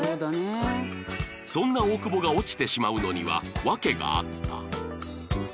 そんな大久保が落ちてしまうのには訳があった